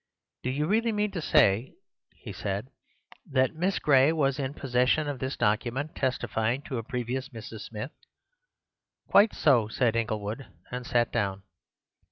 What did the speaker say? "Do you really mean to say," he said, "that Miss Gray was in possession of this document testifying to a previous Mrs. Smith?" "Quite so," said Inglewood, and sat down.